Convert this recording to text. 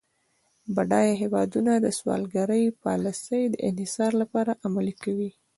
بډایه هیوادونه د سوداګرۍ پالیسي د انحصار لپاره عملي کوي.